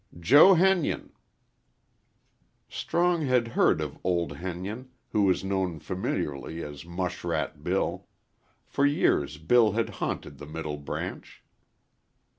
"Jo Henyon." Strong had heard of old Henyon, who was known familiarly as "Mushrat Bill." For years Bill had haunted the Middle Branch.